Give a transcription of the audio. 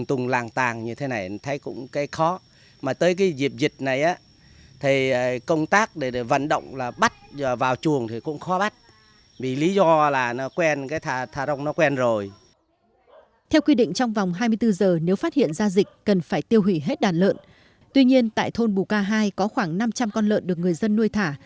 tại thôn bù ca hai có khoảng năm trăm linh con lợn được người dân nuôi thả